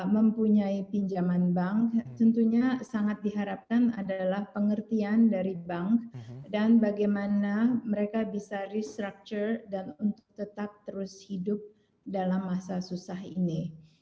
mempunyai pinjaman bank tentunya sangat diharapkan adalah pengertian dari bank dan bagaimana mereka bisa restructure dan untuk tetap terus hidup dalam masa susah ini